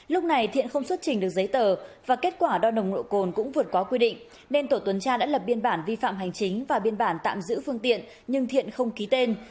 lúc này thiện không xuất trình được giấy tờ và kết quả đo nồng độ cồn cũng vượt qua quy định nên tổ tuần tra đã lập biên bản vi phạm hành chính và biên bản tạm giữ phương tiện nhưng thiện không ký tên